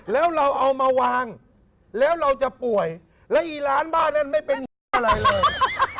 แล้วเราเอามาวางแล้วเราจะป่วยแล้วอีร้านบ้านนั้นไม่เป็นห่วงอะไรเลย